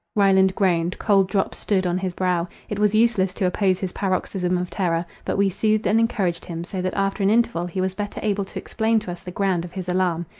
Ryland groaned; cold drops stood on his brow. It was useless to oppose his paroxysm of terror: but we soothed and encouraged him, so that after an interval he was better able to explain to us the ground of his alarm.